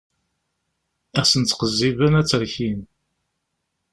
Ad sen-ttqezziben, ad tt-rkin.